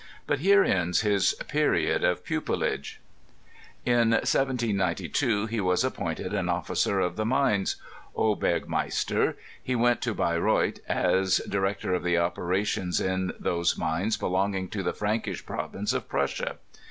But here ends his period of pupilage. In 1792 he was appointed an officer of the mines (Oberberg meister.) He went to Beyreuth as Director of the operations in those mines belonging to the Frankish Provinces of Prussia.